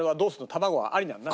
卵はありなの？